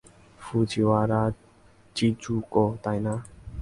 ফুজিওয়ারা চিজুকো, তাই না?